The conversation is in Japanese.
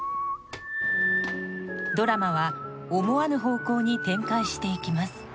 ドラマは思わぬ方向に展開していきます。